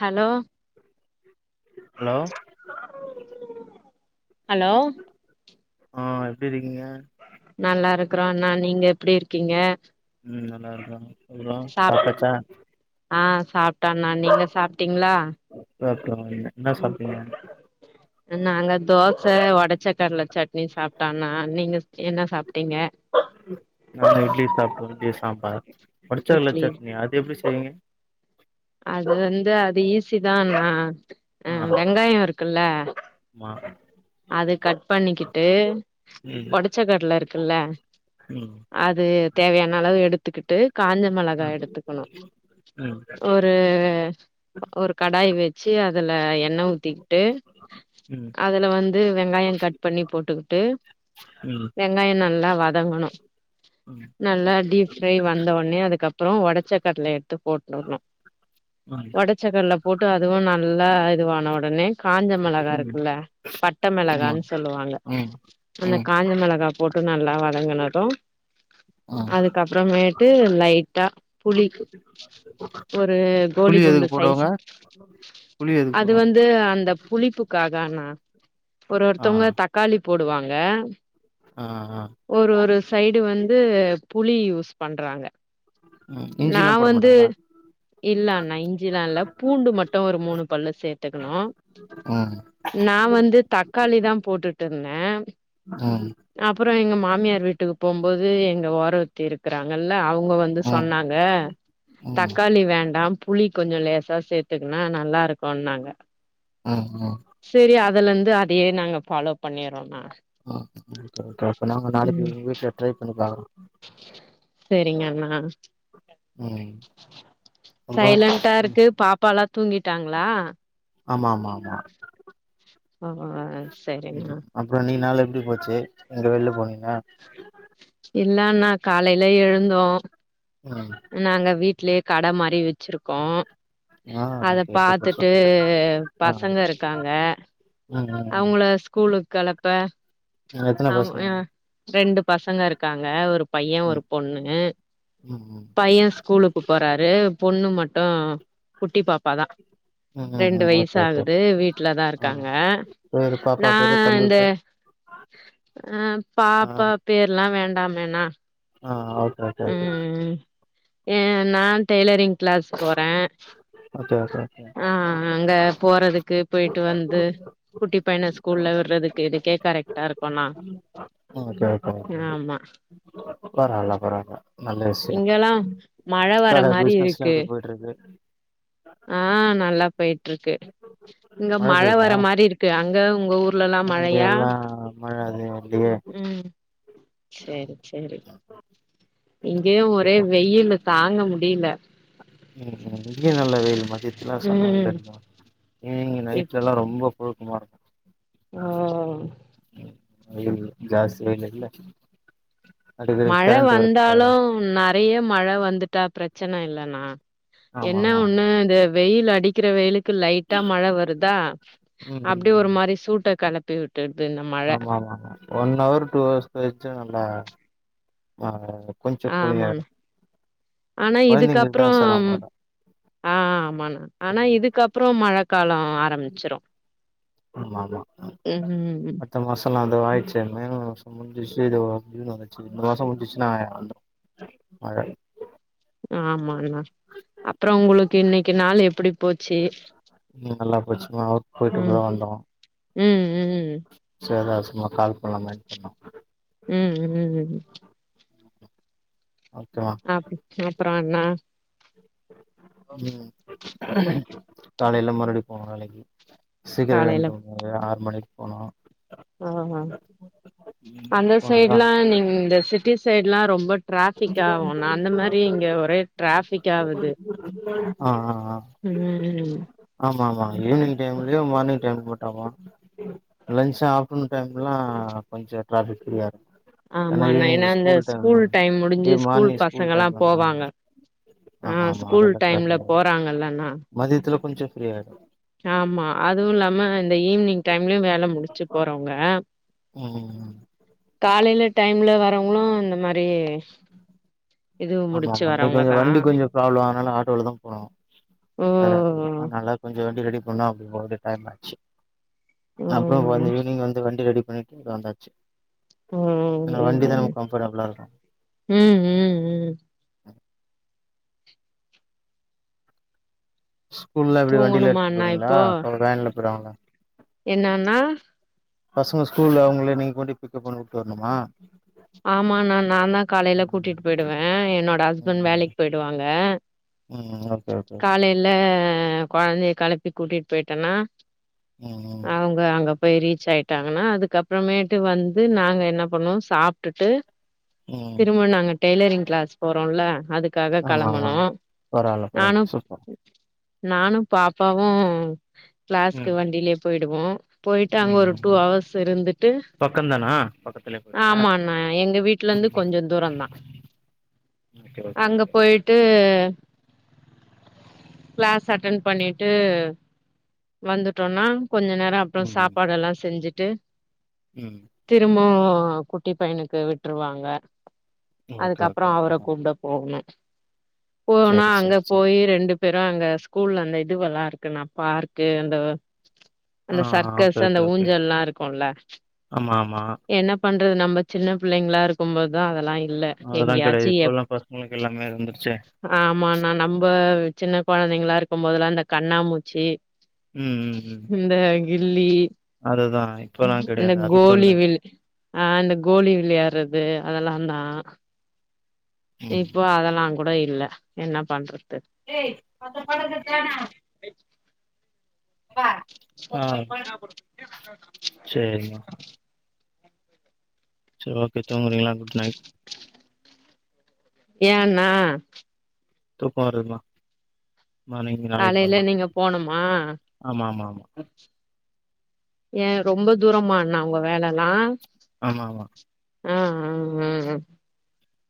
Hello hello ஆ எப்டி இருக்கீங்க நல்லா இருக்குறோனா நீங்க எப்டி இருக்கீங்க ம் நல்லா இருக்கோ அப்புறோ சாப் சாப்டாச்சா ஆ சாப்பட்டோம்னா நீங்க சாப்ட்டீங்களா ஓகே [unintelligible] என்ன சாப்ட்டீங்க நாங்களா தோச ஒடச்ச கட்ல சட்னி சாபிட்டோம்னா நீங்க என்ன சாப்ட்டீங்க நாங்க இட்லி சாப்டோ இட்லி சாம்பார் ஒடச்ச கல்ல இட்லி சட்னி அது எப்டி செய்வீங்க அது வந்து அது ஈஸி தான்னா அ ஆ வெங்காய இருக்குல்ல ஆமா அது கட் பண்ணிக்கிட்டு ம் ஒடச் சக்கடல இருக்குல்ல ம் அது தேவையான அளவு எடுத்துக்கிட்டு காஞ்ச மொளகா ம் எடுத்துக்கணு ம் ம் ஒரு கடாய் வச்சு அதுல எண்ணெ ஊத்திக்கிட்டு ம் அதுல வந்து வெங்காய கட் பண்ணி போட்டுக்கிட்டு வெங்காய நல்லா வதங்கணு ம் நல்லா டீப் ஃப்ரை வந்தோனே அதுக்கப்புறோ ஒடச்சக்கட்லய எடுத்து போட்டுர்ணு ம் ஒடச்சக்கல்ல போட்டு அதுவு நல்லா இதுவான ஒடனே காஞ்ச மொளகா ம் இருக்குல்ல பட்ட ஆமா மெளகான்னு சொல்லுவாங்க ம் அந்த ம் காஞ்ச மெளகா போட்டு நல்லா வதங்குனட்டு ஆ அதுக்கப்புறமேட்டு லைட்டா புளி ஒரு புளி கோலி குண்டு எதுக்கு போடுவாங்க சைஸு அ புளி எதுக்கு அது போடுவாங்க வந்து அந்த புளிப்புக்காகனா ஒரு ஆ ஒருத்தவங்க தக்காளி போடுவாங்க ஆ ஆ ஒரு ஒரு சைடு வந்து புளி யூஸ் பண்றாங்க ம் நா இஞ்சில்லா போட வந்து மாட்டாங்களா இல்ல அண்ணா இஞ்சில்லா இல்ல பூண்டு மட்டு ஒரு மூணு பல்லு சேத்துக்கணு ம் நா வந்து தக்காளி தா போட்டுட்டு இருந்தே ம் அப்புறோ எங்க மாமியார் வீட்டுக்கு போகம்போது எங்க ஓர வத் தி இருக்குறாங்கல்ல அவுங்க வந்து ம் ம் சொன்னாங்க ம் தக்காளி வேண்டா புளி கொஞ்ச லேசா சேத்துக்ன்னா நல்லா இருக்குன்னாங்க ம் ம் செரி அதுல இரந்து அதையே நாங்க ஃபாலோ பண்ணறோண்ணா ஆ நாங்க நாளைக்கு வீட்டுல ட்ரை பண்ணி பாக்கறோ செரிங்க அண்ணா ம் அப்றோ சைலன்டா ம் இருக்கு பாப்பால்லா தூங்கிட்டாங்களா ஆமா ஆமா ஆமா ஓ செரிணா அப்புறோ இன்னிக்கு நாள் எப்டி போச்சு எங்க வெளில போனீங்க இல்ல அண்ணா காலையில எழுந்தோ அ நாங்க வீட்லே கட மாரி வெச் சிருக்கோ ஆ அத ஓகே சூப்பர் பாத்துட்டு சூப்பர் ஆ பசங்க இருக்காங்க ம் ம் ம் அவுங்கள ஸ்கூலுக்கு கெளப்ப ம் எத்தன அவுங் பசங்க அ ரெண்டு பசங்க இருக்காங்க ஒரு பையே ஒரு ம் பொண்ணு ம் ம் பையே ஸ் கூலுக்கு போறாரு பொண்ணு மட்டு குட்டி பாப்பா தா ம் ம் ரெண்டு ம் வயசு ஓகே ஓகே ஆகுது வீட்டுல தா ஆ இருக்காங்க பேரு பாப்பா நா பேரு தம்பி இந்த பேர் ஆ ஆ பாப்பா பேர்லா வேண்டாமேனா ஆ ஓகே ஓ ம் ஏ நா டெய்லரிங் கிளாஸ் போறே ஓகே ஓகே ஓகே ஆ அங்க போறதுக்கு போயிட்டு வந்து குட்டி பையன ஸ்கூல்ல விட்றதுக்கு இதுக்கே கரெக்ட்டா இருக்குண்ணா ஓகே ஓகே ஓகேங்க ஆமா பரவால பரவால நல்ல விஷய இங்கெல்லா மழ வர கட மாரி பிஸ்னஸ்லா இருக்கு எப்டி போயிட்டு இருக்கு ஆ நல்லா போய்ட்டு இருக்கு இங்க மழ வர மாரி இருக்கு அங்க உங்க ஊர் இங்க எல்லா மழ எது வர்லயே ம் சேரி சேரி இங்கே ஒரே வெய்யிலு தாங்க முடில ம் இங்கியு நல்ல வெயிலு மத்தியத்துலா செம்ம வெயில் ம் அடிக்கு ஈவ்னிங் இப் நைட்லல்லா ரொம்போ புழுக்கமா ஓ இருக்கு வெயில் ஜாஸ்தி வெயில் இல்ல அடிக்கடிக் கரண்ட்டு வேற கட்டாயிரு நறைய மழ வந்துட்டா பிரச்சன இல்லணா ஆமா என்ன ஆமா ஒண்ணு இது வெயில் அடிக்கிற வெயிலுக்கு லைட்டா மழ வருதா ம் ம் அப்டி ஒரு ம் மாரி சூட்ட கெளப் பிவுட்டுட்து இந்த ம ஆமா ஆமா ஒன் ஹவர் டூ ஹவர்ஸ் பெய்ச்சுனா நல்லா இருக் ஆ கொஞ்சோ அ கூலிங் ஆமா ஆயிரு னா கொழந்தைங்களுக்கு தா இதுக்கப்றோம் சிரமோ வரு ஆ ஆமாணா ஆனா ஆமா இதுக்கப்றோ மழக்காலோ ஆ ரம்பிச்சிரு உஹும் மத்த மாசோலா இதோ ஆய்ச்சே மே மாசோ முட்ச்சி [unintelligible] வந்துருச்சி இந்த மாசோ முடிச்சிருச்சினா வந்துரு மழ ஆமாங்ணா அப்புறோ உங்களுக்கு இன்னக்கி நாள் எப்புடி போச்சி ம் நல்லா போச்சு மா ஒர்க் போயிட்டு இப்பதா வந்தோ ம் ம் சேர்ரா சும்மா கால் பண்ணலாமேன் பண்ண ம் ம்ம் ஓகேவா அப் அப்புறோ அண்ணா ம் காலைல மறுபடி போணு வேலைக்கி சீக்கிரோ காலையில எழுந்திரிக்கனு இல்லயா ஆறு மணிக்கு போனா ஆஹா அந்த போனாதா சைடு்லா நீ இந்த சிட்டி சைடு்லா ரொம்ப டிராஃபிக் ஆவுனா அந்த மாரி இங்க ஒரே டிராஃபிக் ஆவுது ஆ ஆ ஆ ம் ம் ஆமா ஆமா ஈவினிங் டைம்லுயு மார்னிங் டைம் மட்டுமா லஞ்ச் ஆஃப்டர்னூன் டைம்லா கொஞ்சோ டிராஃபிக் ஃப்ரீயா இருக்கு ஏனா ஆமாண்ணா ஈவினிங் ஏன்னா இந்த ஸ்கூல் டைம் ல ஏ முடிஞ்சு மார்னிங் ஸ்கூல் பசங்கல்லா டைம்லலா போவாங்க ஆ ஆமா ஆமா ஸ்கூல் அதலா டைம்ல [unintelligible] போறாங்கல்லண்ணா மதியத்துல கொஞ்சோ ப்ஃரீ ஆய்ரு ஆமா அதுவு இல்லாம இந்த ஈவினிங் டைம்லயு வேல முடிச்சு போறவங்க ம்ம்ம் காலைல டைம்ல வரவங்களு இந்த மாரி இதுவு முடிச்சு வரவங்கதா ப்ராப்ளோ ஆனாலு ஆட்டோல தா போனோ ஓ! ஷேர் ஆட்டோதா அனால கொஞ்சோ வண்டி ரெடி பண்ணி அப்பனா அப்டி போகூடிய டைம் ஆச்சு அப்புறோ வந்து ம். ஈவினிங் வந்து வண்டி ரெடி பண்ணிட்டு இங்க வந்தாச்சு ஏன்னா வண்டி ம்ம் தா நமக்கு கம்ஃபர்டபுளா ம் ம் ம். ஆஹ ஸ்கூல்ல எப்டி வண்டியில தூங்கணுமா எடுத்துட் அண்ணா போறீங்ளா இப்போ? போ வேன்ல போயிருவாங்களா என்னன்னா, பசங்க ஸ்கூல்ல அவங்கள நீங் ஒண்டி பிக் அப் பண்ணி வுட்டு வரணுமா ஆமா நா நான் தா காலைல ம் கூட்டிட்டு போயிடுவே என்னோட ஹஸ்பண்ட் ம் வேலைக்கு போயிடுவாங்க ம் ஓகே ஓகே ஓகே காலைல கொழந்தைய கெளப்பி கூட்டிட்டு போயிட்டோனா ம் ம் வே அங்க போய் ரீச் ஆயிட்டாங்கன்னா அதுக்கு அப்புறமேட்டு வந்து நாங்க என்ன பண்ணுவோ சாப் டுட்டு ம் திரும்ப நாங்க டெய்லரிங் கிளாஸ் போறோல்ல அதுக் காக ஆமா ஆமா கெளம்பனு பரவால்ல நானு பரவால்ல சூப்பர் நானு பாப்பாவு கிளாஸ்க்கு ம் வண்டியிலே போயிடுவோ போயிட்டு அங்க ம் ஒரு ம் டூ ம் அவர்ஸ் இருந்துட்டு பக்கந்தானா பக்கத்துலயே போறீங்களா ஆமா அ எங்க வீட்ல இருந்து ம் கொஞ்சோ தூரந்தா ஓகே ஓகே அங்க ஓகே போய் ட்டு கிளாஸ் அட்டன் பண்ணிட்டு வந்துட்டோன்னா கொஞ்ச நேரோ அப்றோ சாப்பாடெல்லா செஞ்சுட்டு ம்ம் திரும்பவு குட்டி பையனுக்கு விட்ருவாங்க ஓகே அதுக்கப்புறோ ஓகே ஓகே அவர மேம் கூப்ட போகணு போனா சரி அங்க சரி சரி போயி ரெண்டு பெரு அங்க ஸ்கூல்ல அந்த இதுவெல்லா இருக்கு நா பார்க்கு அந்த ஆ அந்த ஆ ஓகே சர்க்கஸ் அந்த ஓகே ஓகே ஊஞ்சல்லா இருக்குல்ல ஆமா ஆமா என்ன பண்றது நம்ம சின்ன பிள்ளைங்களா இருக்கும்போதா அதெல்லா அதெல்லா கெடயாது இப்ப உள்ள பசங்களுக் எல்லாமே இருந்துருச்சே ஆமாணா நம்ப சின்ன கொழந்தைங்களா இருக்கும் போதுல்லா இந்த கண்ணாமூச்சி ம் ம் ம் இந்த கில்லி அதுதா இப்பல்லா இந்த கெடையாது அது கூட கோலி இல்ல விள் ஆ இந்த கோலி விள்யாறது அதெல்லா தா இப்போ ம் அதெல்லாம் கூட இல்ல என்ன பண்றது எய அ படக்க ஜ [unintelligible] ஆ ாபம் [unintelligible] சரிம்மா சரி ஓகே தூங்குறீங்ளா குட் நைட் ஏன்னா போய் பாரு இல்னா காலையில நீங்க போனுமா ஆமாம் ஆமாம் ஆமாம் ஏன் ரொம்ப தூரமா அண்ணா உங்க வேலல்லா ஆமா ஆமா ஆ ம் மே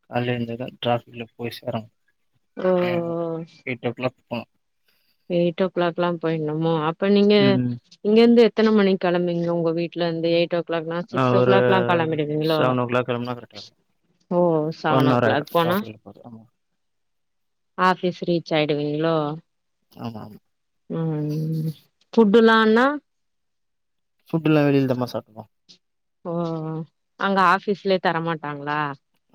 காய்ல ஏந்தாத ட்ராஃபிக்ல போய் சேரனு ஆ எக் மோ ஓ எயிட் ஓ கிளாக் போனு எயிட் ஓ கிளாக்லா போய்னுமோ அப்ப நீங்க ம் இங்கேந்து எத்தன மணி கெளம்பிவ்ங்க உங்க வீட்லந்து எயிட் ஓ கிளாக்லாம் ஆ, சிக்ஸ் ஓ ஒரு கிளாக்லாம் கெளம்பிடுவீங்ளோ செவன் ஓ கிளாக் கிளம்புனா கரெக்டாக இருக்கும் ஓ ஓ செவன்னோ கிளாக் போனா ஒர்க் பண்ணு ஆஃபீஸ் ரீச் ஆயிடுவீங்ளோ ஆமா ஆமா ம் ஃபுட்டுலானா ஃபுட்டுலா வெளிலதாமா சாப்ட்டுப்போ ஓ ஓ அங்க ஆஃபிஸ்லே தரமாட்டாங்ளா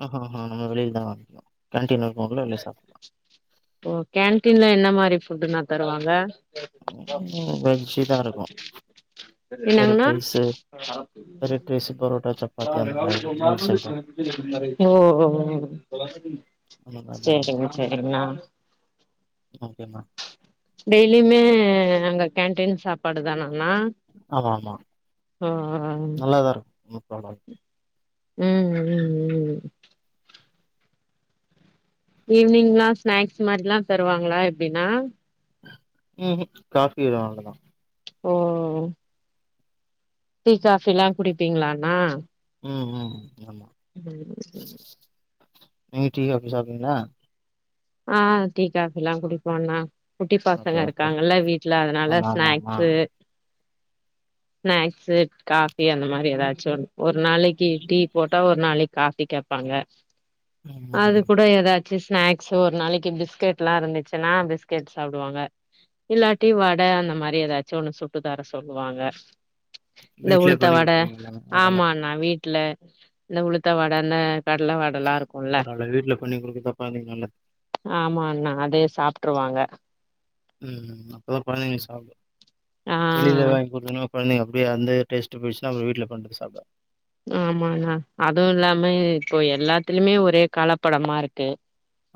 ம் ம் ம் ம் நம்ப வெளிலதா வாங்கிக்னு கேண்டீன்ல இருக்கவங்ளே வெளிய சாப்டு ஓ கேன்டீன்ல என்ன மாரி ஃபுட்டுணா தருவாங்க ம் ம் வெஜ்ஜிதா இருக்கோ என்னங்ணா வெரைட் ரைஸு பரோட்டா சப்பாத்தி அந்த மாதிரி மீல்ஸ் ஐட்டம் ஓ ஓ அந்த மாதிரி தான் செரிங்க செரிங்ணா ஓகேமா டெய்லிமே அங்க கேன்டீன் சாப்பாடு தானாணா ஆமா ஆமா ம் நல்லாதாருக்கு நோ ப்ராப்ளோ ம் ம் ம் ஈவ்னிங்ல்லா ஸ்நாக்ஸ் மாரிலா தருவாங்களா எப்டிணா ம் ம் காஃபி வரு அவ்ளோதா ஓ ஒ டீ காஃபிலா குடிப்பீங்ளாணா ம் ம் ஆமா ம் ம் நீங்க டீ காஃபி சாப்டுவீங்ளா ஆ டீ காஃபிலா குடிப்போண்ணா குட்டி பசங்க ஓகே ஓகே இருக்காங்ல வீட்ல அதனால ஆமா ஆமா ஆமா ஸ்நாக்ஸு ஸ்நாக்ஸு காஃபி அந்த மாரி எதாச்சொன்னு ஒரு நாளக்கி டீ போட்டா ஒரு நாளக் காஃபி கேப்பான்ங்க ம் ம் அது ம். கூட எதாச்சு ஸ்நாக் சோ ஒரு நாளைக்கு பிஸ்கெட்லா இருந்துச்சுனா பிஸ்கெட் சாப்டுவாங்க இல்லாட்டி வட அந்த மாரி எதாச்சொன்னு சுட்டுதர சொல்லுவாங்க இந்த வீட்லயே உளுத்த பண்ணி வட குடுத்துருவீங்க எல்லாமே அதெல்லா ஆமாண்ணா வீட்ல ல்ல உளுத்த வடல பராவல வீட்ல பண்ணி குடுக்றதா கொழந்தைக்கு நல்லது ஆமாண்ணா அதே சாப்ட்ருவாங்க ம் ம் அப்பதா கொழந்தங்க சாப்டு ஆ வெளில வாங்கி குடுத்தனா கொழந்தைங்க அப்டே அந்த டேஸ்ட் போய்ச்னா அப்றோ வீட்ல பண்ணது சாப்டாது ஆமாணா அதுவு இல்லாம இப்போ எல்லாத்துலிமே ஒரே கலப்படமாருக்கு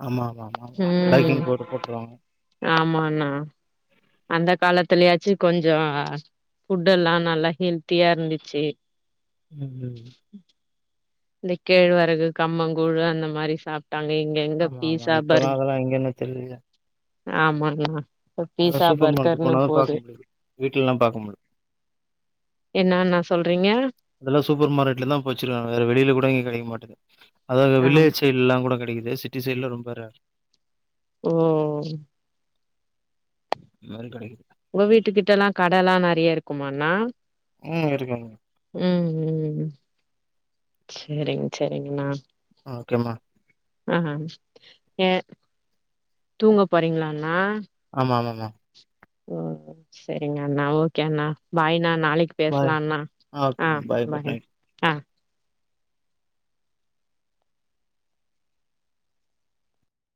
ஆமா ஆமா ஆமாமாபேக்கிங் பவுடர் போட்ருவாங்க ஆமாணா அந்த காலத்தலயாச்சு கொஞ்சோ ஃபுட்டெல்லா நல்லா ஹெல்த்தியா இருந்துச்சி ம் ம் இந்த கேழ்வரகு கம்மங்கூழு அந்த மாரி சாப்ட்டாங்க எங் ஆமா ஆமா இப்பலா அதெல்லா எங்கென்னே தெரிலயே ஆமாங்ணா இப்போ அதா பீஸா சூப்பர் மார்க்கெட் பர்கர்ன்னு போனாதா பாக்க போது முடியுது வீட்லல்லா பாக்க முடில என்னாணா சொல்றீங்க அதுலா சூப்பர் மார்க்கெட்ல தா இப்ப வச்சிருக்காங்க வேற வெளில கூட எங்க கெடைக்க மாட்டுது அதாது ஆமா வில்லேஜ் சைடுல்லா கூட கெடைக்கிது சிட்டி சைட்ல ரொம்ப ரேர் ஓ ஓ மறு கடைக்கில உங்க வீட்டுக்கிட்டலா கடலா நெறைய இருக்குமாண்ணா ம் இருக்குங்க ம் ம் செரிங் செரிங்ணா ஓகே மா ஆ ஹா ஏ தூங்க போறீங்ளாண்ணா ஆமா ஆமாமா ஓ செய்ரிங்கண்ணா ஓகே அண்ணா பாய்னா நாளைக் பாய். பேஸ்லாண்ணா ஆ ஓகேம்மா. குட் பாய் நைட். ஆ